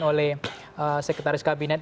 oleh sekretaris kabinet